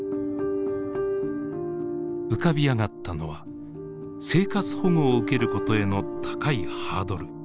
浮かび上がったのは生活保護を受けることへの高いハードル。